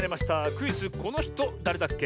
クイズ「このひとだれだっけ？」。